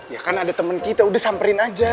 ya kan ada temen kita udah samperin aja